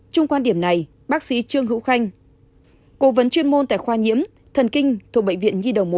trung quan điểm này bác sĩ trương hữu khanh cố vấn chuyên môn tại khoa nhiễm thần kinh thuộc bệnh viện nhi đồng một